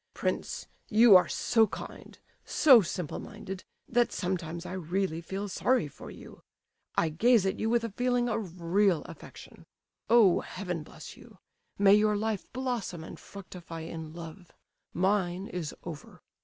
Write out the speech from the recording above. "Prince, you are so kind, so simple minded, that sometimes I really feel sorry for you! I gaze at you with a feeling of real affection. Oh, Heaven bless you! May your life blossom and fructify in love. Mine is over.